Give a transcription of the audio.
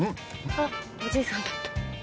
あっおじいさんだった。